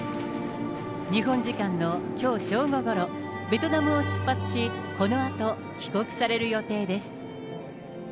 日本時間のきょう正午ごろ、ベトナムを出発し、このあと帰国される予定です。